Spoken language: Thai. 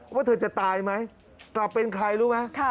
ว่าเธอจะตายไหมกลับเป็นใครรู้ไหม